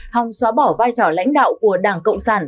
hòng xóa bỏ vai trò lãnh đạo của đảng cộng sản